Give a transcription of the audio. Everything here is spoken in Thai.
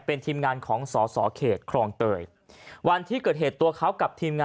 เป็นทีมงานของสอสอเขตครองเตยวันที่เกิดเหตุตัวเขากับทีมงาน